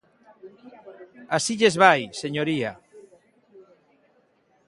Así lles vai, señoría.